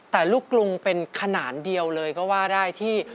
แต่ลูกกรุงเป็นขนานเดียวเลยก็ว่าได้ที่